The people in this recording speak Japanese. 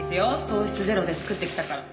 糖質ゼロで作ってきたから。